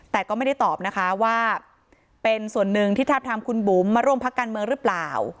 แต่ก็ไม่ได้ตอบนะคะว่าเป็นส่วนหนึ่งที่ทาบทามคุณบุ๋มมาร่วมพักการเมืองหรือเปล่า